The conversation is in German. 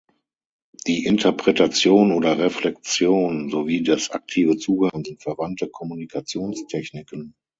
Die Interpretation oder Reflexion sowie das aktive Zuhören sind verwandte Kommunikationstechniken.